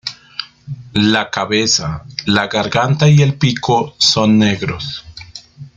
La cabeza, la garganta y el pico son negros.